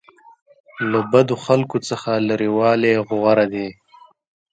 له بدو خلکو څخه لرې والی غوره دی.